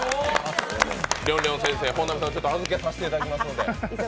りょんりょん先生、本並さんを預けさせていただきますので。